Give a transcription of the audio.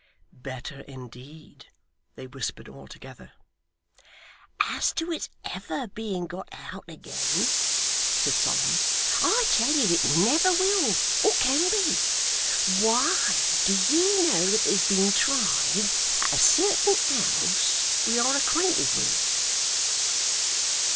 'Better indeed!' they whispered all together. 'As to its ever being got out again,' said Solomon, 'I tell you it never will, or can be. Why, do you know that it has been tried, at a certain house we are acquainted with?